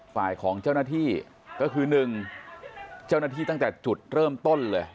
ฝ่ายของเจ้าหน้าที่ก็คือ๑เจ้าหน้าที่ตั้งแต่จุดเริ่มต้นเลย